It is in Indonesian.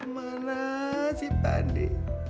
mana si pandi